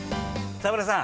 沢村さん